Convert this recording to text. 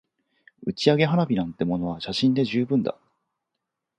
打ち上げ花火なんてものは写真で十分だ